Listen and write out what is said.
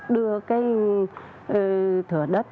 đưa cái thửa đất